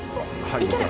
いける。